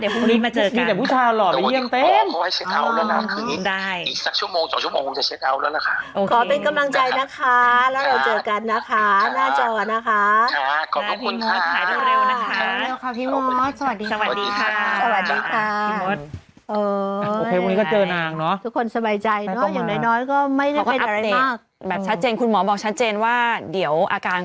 ก็แบบชัดเจนคุณหมอบอกชัดเจนว่าเดี๋ยวอาการ